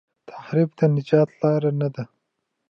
تحریف د نجات لار نه ده.